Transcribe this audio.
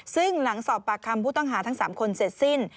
ซึ่งหลังสอบปากคำผู้ต้องหาทั้ง๓คนเสร็จสิ้น